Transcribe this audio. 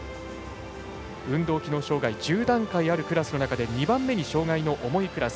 運動機能障がい１０段階あるクラスの中で２番目に障がいの重いクラス。